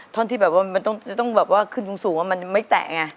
ท่อนที่มันจะต้องขึ้นสูงมันไม่แตก